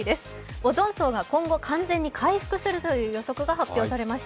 オゾン層が今後完全に回復するというニュースが発表されました。